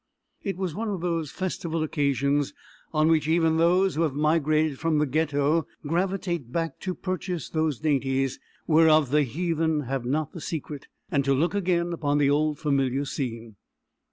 It is one of those festival occasions on which even those who have migrated from the Ghetto gravitate back to purchase those dainties whereof the heathen have not the secret, and to look again upon the old familiar scene.